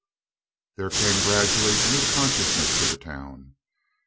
There came gradually a new consciousness to the town.